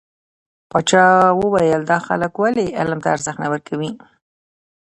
پاچا وويل: دا خلک ولې علم ته ارزښت نه ورکوي .